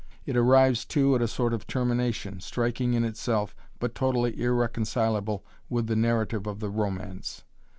It arrives, too, at a sort of termination, striking in itself, but totally irreconcilable with the narrative of the Romance.